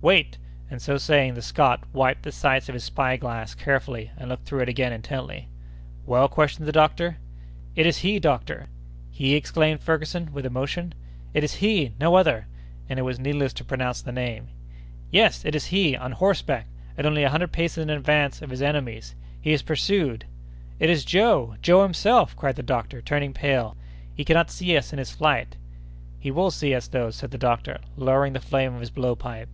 "Wait!" and so saying, the Scot wiped the sights of his spy glass carefully, and looked through it again intently. "Well?" questioned the doctor. "It is he, doctor!" "He!" exclaimed Ferguson with emotion. "It is he! no other!" and it was needless to pronounce the name. "Yes! it is he! on horseback, and only a hundred paces in advance of his enemies! He is pursued!" "It is Joe—Joe himself!" cried the doctor, turning pale. "He cannot see us in his flight!" "He will see us, though!" said the doctor, lowering the flame of his blow pipe.